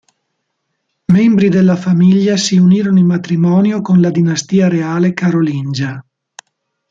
Membri della famiglia si unirono in matrimonio con la dinastia reale Carolingia.